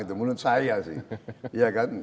menurut saya sih